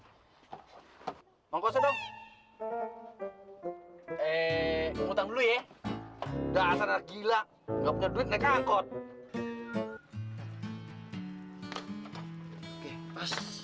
hai mengkosong eh ngutang dulu ya udah asal gila nggak punya duit naik angkot